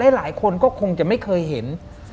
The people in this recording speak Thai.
หลายคนก็คงจะไม่เคยเห็น